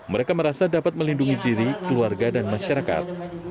mereka merasa dapat melindungi diri keluarga dan masyarakat